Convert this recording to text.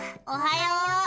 おはよう！